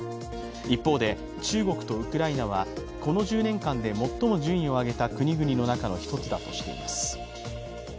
一方で、中国とウクライナは、この１０年間で最も順位を上げた国々の中の一つだとしています。